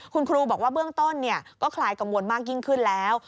คุณครูบอกว่าเบื้องต้นก็คลายกังวลมากยิ่งขึ้นแล้ว